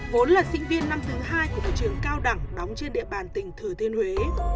vốn là sinh viên năm thứ hai của một trường cao đẳng đóng trên địa bàn tỉnh thừa thiên huế